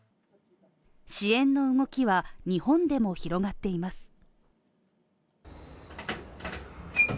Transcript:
支援の動きは日本でも広がっています。